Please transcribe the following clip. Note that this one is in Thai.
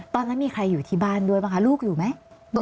ตอนนั้นมีใครอยู่ที่บ้านด้วยบ้างคะลูกอยู่ไหม